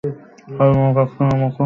সর্বমোট একশজনের মত হয়।